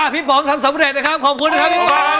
พี่ฟองทำสำเร็จนะครับขอบคุณนะครับ